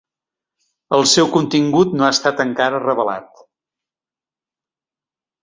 El seu contingut no ha estat encara revelat.